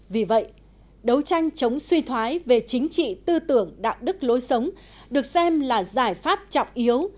vì vậy đấu tranh chống suy thoái về chính trị tư tưởng đạo đức lối sống được xem là giải pháp trọng yếu